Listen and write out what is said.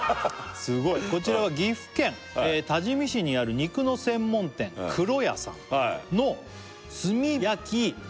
すごい「こちらは岐阜県多治見市にある肉の専門店黒家さんの炭焼き」